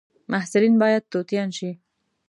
محصلین باید توتیان شي